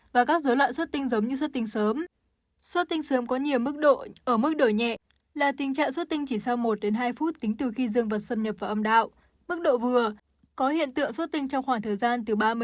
và các dối loạn xuất tinh giống như xuất tinh sớm